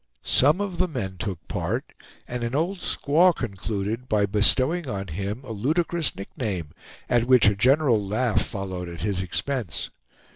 Some of the men took part and an old squaw concluded by bestowing on him a ludicrous nick name, at which a general laugh followed at his expense.